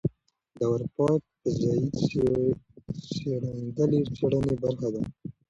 د اروپا فضايي څېړندلې د څېړنې برخه ده.